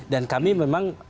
dan kami memang